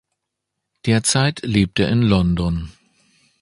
Derzeit lebt er in London.